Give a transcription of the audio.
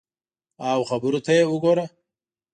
او خبرو ته یې وګوره !